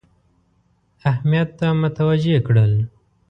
اهمیت ته متوجه کړل.